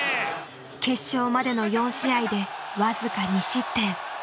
決勝までの４試合で僅か２失点。